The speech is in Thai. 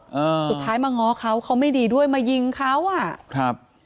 อ่าสุดท้ายมาง้อเขาเขาไม่ดีด้วยมายิงเขาอ่ะครับ